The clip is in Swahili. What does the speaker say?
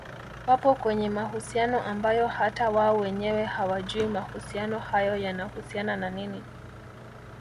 wapo kwenye mahusiano ambayo hata wao wenyewe hawajui mahusiano hayo yanahusiana na nini